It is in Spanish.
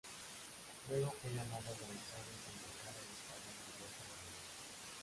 Luego fue llamado a Buenos Aires a integrar el Estado Mayor de la Armada.